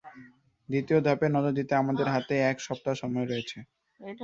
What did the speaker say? দ্বিতীয় ধাপে নজর দিতে আমাদের হাতে এক সপ্তাহ সময় রয়েছে।